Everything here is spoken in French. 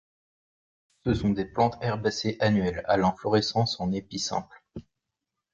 Ce sont des plantes herbacées annuelles, à l'inflorescence en épi simple.